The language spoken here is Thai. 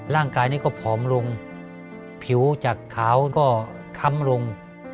ร่างกายนี่ก็ผอมลงผิวจากขาวก็ค้ำลง